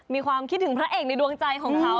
มีความคิดถึงพระเอกในดวงใจของเขา